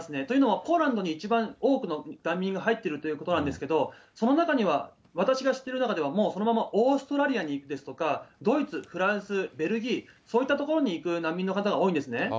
というのも、ポーランドに一番多くの難民が入ってるということなんですけれども、その中には私が知っている中ではもうそのままオーストラリアに行くですとか、ドイツ、フランス、ベルギー、そういった所に行く難民の方が多いんですね、